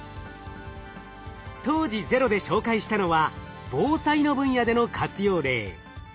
当時「ＺＥＲＯ」で紹介したのは防災の分野での活用例。